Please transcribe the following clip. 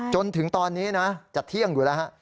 จนถึงตอนนี้นะจะเที่ยงอยู่แล้วฮะ